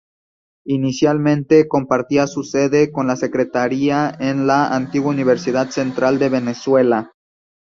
Inicialmente compartía su sede con la secretaría en la antigua Universidad Central de Venezuela.